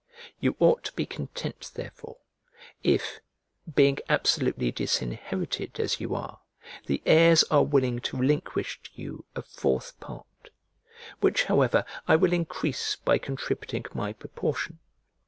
You ought to be content, therefore, if, being absolutely disinherited as you are, the heirs are willing to relinquish to you a fourth part, which however I will increase by contributing my proportion.